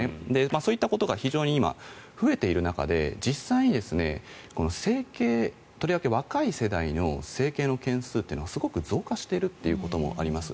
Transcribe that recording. そういったことが非常に今、増えている中で実際に整形とりわけ若い世代の整形の件数というのがすごく増加しているということもあります。